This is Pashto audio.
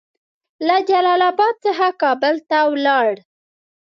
له جلال اباد څخه کابل ته ولاړ.